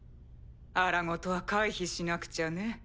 荒事は回避しなくちゃね。